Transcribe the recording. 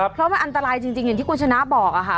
เพราะมันอันตรายจริงอย่างที่คุณชนะบอกค่ะ